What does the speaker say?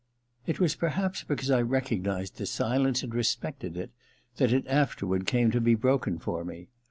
It was perhaps because I recognized this silence and respected it that it afterward came to be broken for me.